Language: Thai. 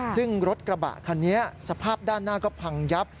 ซึ่งรถกระบะคันนี้สภาพด้านหน้าก็พังยับ